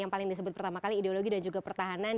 yang paling disebut pertama kali ideologi dan juga pertahanan